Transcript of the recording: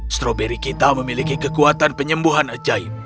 stroberi kita memiliki kekuatan penyembuhan ajaib